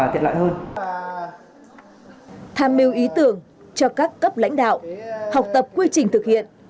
tham mưu ý tưởng cho các cấp lãnh đạo học tập quy trình thực hiện